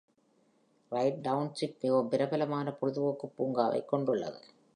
Right Township மிகவும் பிரபலமான பொழுதுபோக்கு பூங்காவைக் கொண்டுள்ளது.